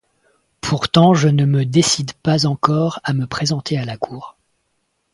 Pourtant, je ne me décide pas encore à me présenter à la Cour.